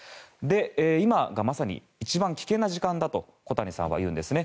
今がまさに一番危険な時間だと小谷さんは言うんですね。